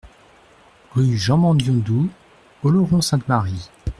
Rue Jean Mendiondou, Oloron-Sainte-Marie